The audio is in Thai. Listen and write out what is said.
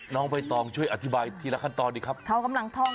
น้องใบตองช่วยอธิบายทีละขั้นตอนดีครับเขากำลังท่อง